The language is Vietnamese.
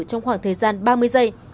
trong khoảng thời gian ba mươi giây